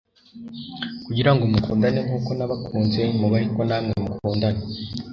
kugira ngo mukundane nk'uko nabakunze mube ariko namwe mukundana.'"